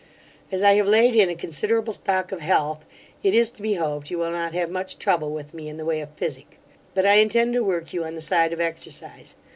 As I have laid in a considerable stock of health, it is to be hoped you will not have much trouble with me in the way of physic, but I intend to work you on the side of exercise.